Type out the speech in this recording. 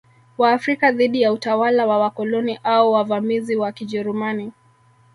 Waafrika dhidi ya utawala wa wakoloni au wavamizi wa Kijerumani